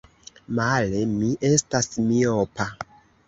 Male, mi estas miopa!